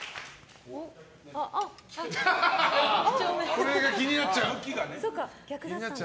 これが気になっちゃう？